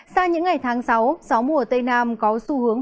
sang những ngày tháng sáu gió mùa tây nam có xu hướng